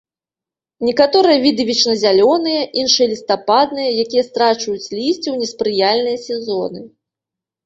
Некаторыя віды вечназялёныя, іншыя лістападныя, якія страчваюць лісце ў неспрыяльныя сезоны.